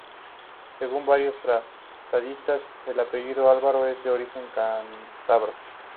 Según varios tratadistas, el apellido Alvarado es de origen cántabro.